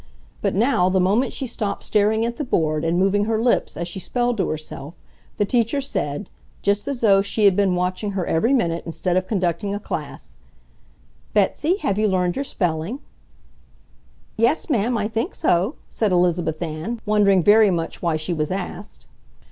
But now the moment she stopped staring at the board and moving her lips as she spelled to herself the teacher said, just as though she had been watching her every minute instead of conducting a class, "Betsy, have you learned your spelling?" "Yes, ma'am, I think so," said Elizabeth Ann, wondering very much why she was asked.